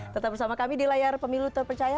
tetap bersama kami di layar pemilu terpercaya